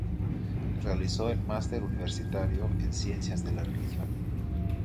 Realizó el Máster Universitario en Ciencias de la religión.